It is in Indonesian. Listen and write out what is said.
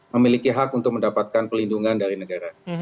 memiliki hak untuk mendapatkan pelindungan dari negara